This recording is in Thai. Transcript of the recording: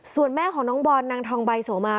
ส่วนแม่ของน้องบอลนางทองใบโสมา